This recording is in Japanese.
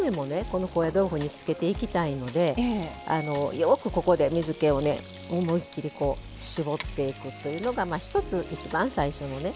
この高野豆腐につけていきたいのでよくここで水けをね思い切り絞っていくというのが一つ一番最初のね